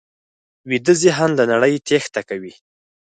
ویده ذهن له نړۍ تېښته کوي